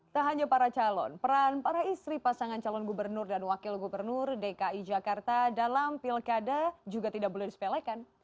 tak hanya para calon peran para istri pasangan calon gubernur dan wakil gubernur dki jakarta dalam pilkada juga tidak boleh disepelekan